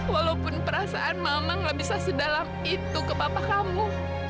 walaupun perasaan mama gak bisa sedalam itu ke papa kamu